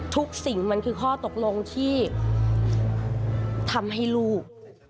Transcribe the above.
สิ่งมันคือข้อตกลงที่ทำให้ลูก